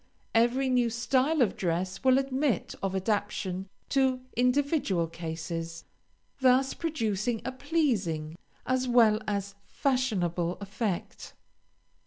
Every new style of dress will admit of adaptation to individual cases, thus producing a pleasing, as well as fashionable effect.